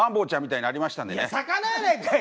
いや魚やないかい！